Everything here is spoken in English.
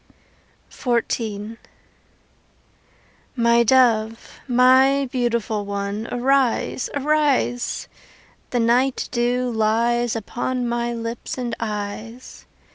XIV My dove, my beautiful one, Arise, arise! The night dew lies Upon my lips and eyes.